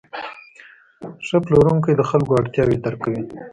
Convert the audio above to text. ښه پلورونکی د خلکو اړتیاوې درک کوي.